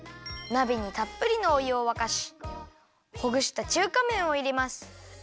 なべにたっぷりのおゆをわかしほぐした中華めんをいれます！